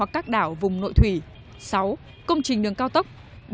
sáu công trình đường cao tốc